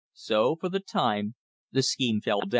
So for the time the scheme fell down.